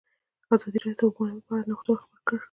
ازادي راډیو د د اوبو منابع په اړه د نوښتونو خبر ورکړی.